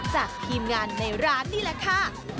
จากทีมงานในร้านนี่แหละค่ะ